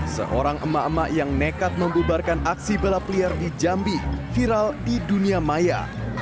seorang emak emak yang nekat membubarkan aksi balap liar di jambi viral di dunia maya